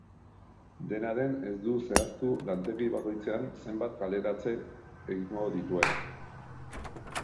Dena den, ez du zehaztu lantegi bakoitzean zenbat kaleratze egingo dituen.